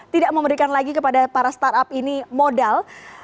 tidak memberikan lagi kepada para startup ini modal